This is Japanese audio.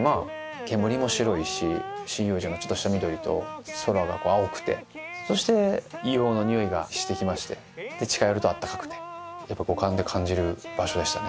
煙も白いし針葉樹がちょっとした緑と空が青くてそして硫黄のにおいがしてきましてで近寄るとあったかくてやっぱ五感で感じる場所でしたね。